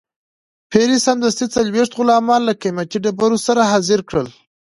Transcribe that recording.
پیري سمدستي څلوېښت غلامان له قیمتي ډبرو سره حاضر کړل.